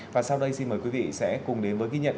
và sau đây xin mời quý vị sẽ cùng đến với ghi nhận